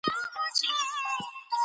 د عمومي پوهاوي لوړول اړین دي.